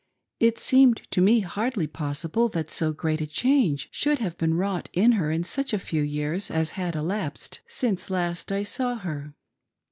It seemed to me hardly pos sible that so great a change should have been wrought in her in such a few years as had elapsed since last I saw her.